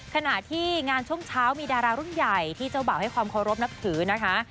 ขณะที่งานช่วงเช้ามีดารารุ่นใหญ่ที่เจ้าบ่าวให้ความเคารพนับถือนะคะ